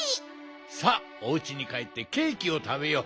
さあおうちにかえってケーキをたべよう。